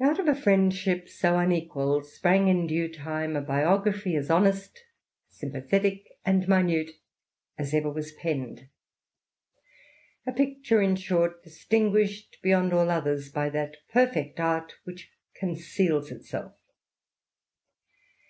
Out of a friendship so unequal sprang in due time a biography as honest, sympathetic, and minute as ever was penned; a picture, in short, distinguished beyond all others by that perfect art which conceals itself.